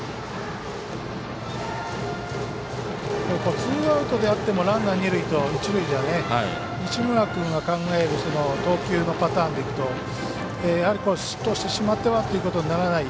ツーアウトであってもランナー、二塁と一塁じゃ西村君が考える投球のパターンでいくとやはり失投してしまってということにならない。